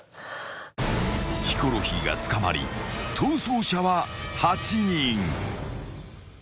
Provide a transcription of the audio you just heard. ［ヒコロヒーが捕まり逃走者は８人］